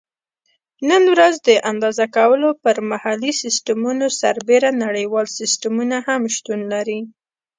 نن ورځ د اندازه کولو پر محلي سیسټمونو سربیره نړیوال سیسټمونه هم شتون لري.